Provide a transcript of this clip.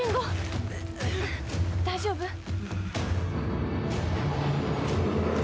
大丈夫？